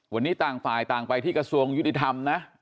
วันนี้ต่างฝ่ายต่างไปที่กระทรวงยุติธรรมนะ